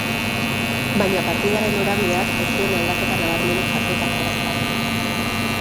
Baina partidaren norabideak ez zuen aldaketa nabarmenik jaso kanporaketarekin.